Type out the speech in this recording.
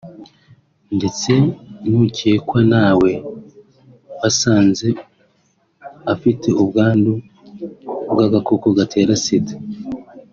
ndetse n’ukekwa na we basanze afite ubwandu bw’agakoko gatera Sida